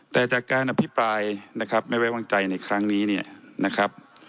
แต่จากการอภิปรายนะครับไม่ไว้วางใจในครั้งนี้เนี่ยนะครับ